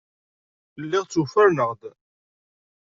Lliɣ ttwaferneɣ-d.